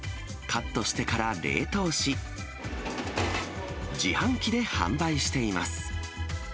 カットしてから冷凍し、自販機で販売しています。